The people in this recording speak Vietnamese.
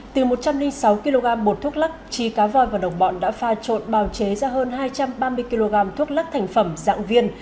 từ một trăm linh sáu kg bột thuốc lắc trí cá voi và đồng bọn đã pha trộn bào chế ra hơn hai trăm ba mươi kg thuốc lắc thành phẩm dạng viên